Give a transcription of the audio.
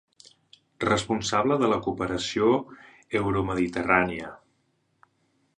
Responsable de la cooperació euromediterrània.